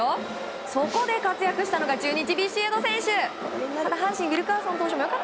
そこで活躍したのが中日のビシエド投手。